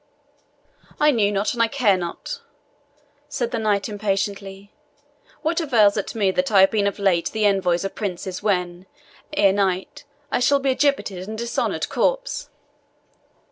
"I knew not, and I care not," said the knight impatiently. "What avails it to me that I have been of late the envoy of princes, when, ere night, I shall be a gibbeted and dishonoured corpse?"